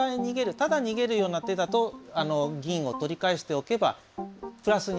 ただ逃げるような手だと銀を取り返しておけばプラスになると。